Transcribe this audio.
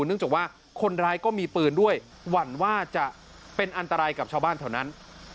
เนื่องจากว่าคนร้ายก็มีปืนด้วยหวั่นว่าจะเป็นอันตรายกับชาวบ้านแถวนั้น